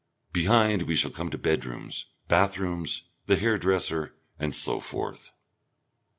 Behind we shall come to bedrooms, bathrooms, the hairdresser, and so forth.